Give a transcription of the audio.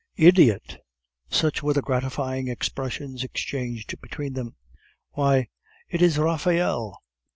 "Idiot!" Such were the gratifying expressions exchanged between them. "Why, it is Raphael!"